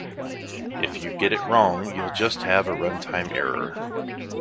if you get it wrong you'll just have a runtime error